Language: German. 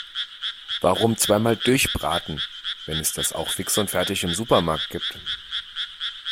Warum zweimal durchbraten, wenn es das auch fix und fertig im Supermarkt gibt?